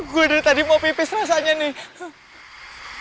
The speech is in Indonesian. gue dari tadi mau pipis rasanya nih